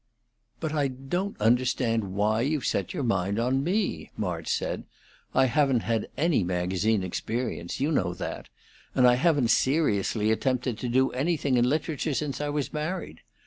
"But I don't understand why you've set your mind on me," March said. "I haven't had any magazine experience, you know that; and I haven't seriously attempted to do anything in literature since I was married.